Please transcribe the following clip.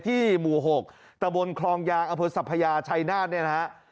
ที่หมู่๖ตะบนคลองยางอเผิดสัพพยาชัยนาธินะครับ